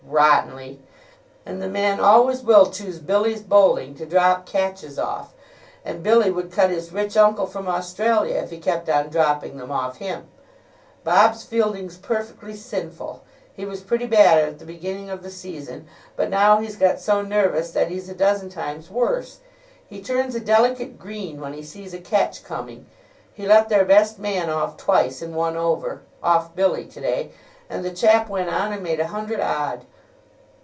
"Rottenly. And the man always will choose Billy's bowling to drop catches off. And Billy would cut his rich uncle from Australia if he kept on dropping them off him. Bob's fielding's perfectly sinful. He was pretty bad at the beginning of the season, but now he's got so nervous that he's a dozen times worse. He turns a delicate green when he sees a catch coming. He let their best man off twice in one over, off Billy, to day; and the chap went on and made a hundred odd.